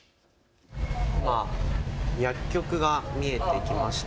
薬局が見えてきました。